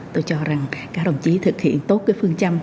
tôi cho rằng các đồng chí thực hiện tốt cái phương châm